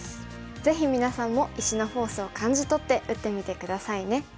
ぜひ皆さんも石のフォースを感じ取って打ってみて下さいね。